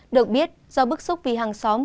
được biết do bức xúc vì hàng xóm